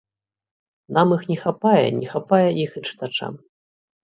Нам іх не хапае, не хапае іх і чытачам.